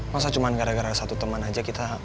masa cuma gara gara satu teman aja kita